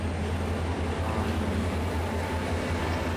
aanii